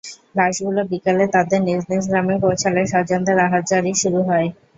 লাশগুলো বিকেলে তাঁদের নিজ নিজ গ্রামে পৌঁছালে স্বজনদের আহাজারি শুরু হয়।